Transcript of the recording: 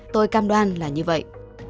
tôi cam đoan là như vậy